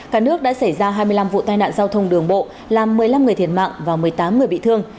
cả nước đã xảy ra hai mươi năm vụ tai nạn giao thông đường bộ làm một mươi năm người thiệt mạng và một mươi tám người bị thương